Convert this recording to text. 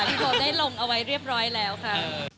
ที่เขาได้ลงเอาไว้เรียบร้อยแล้วค่ะ